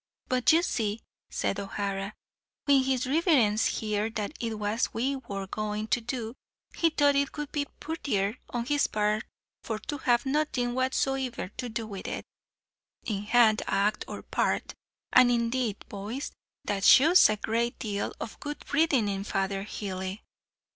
"But you see," said O'Hara, "whin his rivirince heerd what it was we wor goin' to do, he thought it would be purtier on his part for to have nothin' whatsomivir to do with it, in hand, act, or part; and, indeed, boys, that shews a great deal of good breedin' in Father Hely."